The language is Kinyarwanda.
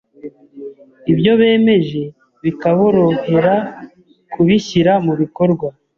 ibyo bemeje bikaborohera kubishyira mu bikorwa.